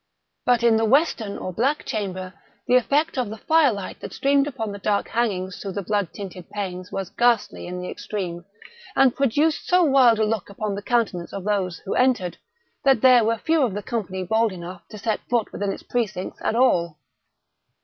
But in the western or black chamber the effect of the fire light that streamed upon the dark hangings through the blood tinted panes, was ghastly in the extreme, and produced so wild a look upon the countenances of those who entered, that there were few of the company bold enough to set foot within its precincts at all.